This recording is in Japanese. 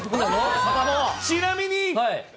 ちなみに。